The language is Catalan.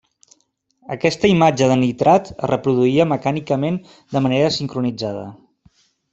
Aquesta imatge de nitrat es reproduïa mecànicament de manera sincronitzada.